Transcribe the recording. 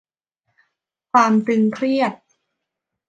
ความตึงเครียด